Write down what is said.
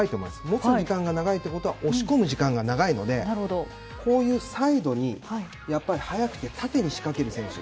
持つ時間が長いということは押し込む時間が長いのでこういうサイドに早くて縦に仕掛けられる選手。